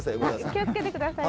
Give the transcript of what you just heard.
気をつけて下さい。